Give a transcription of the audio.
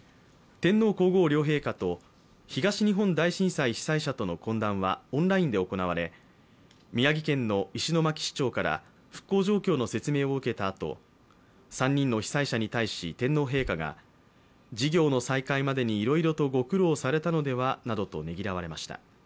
天皇・皇后両陛下と東日本大震災被災者との懇談はオンラインで行われ宮城県の石巻市長から復興状況の説明を受けたあと３人の被災者に対し天皇陛下が、事業の再開までにいろいろとご苦労されたのではなどとねぎらわれました。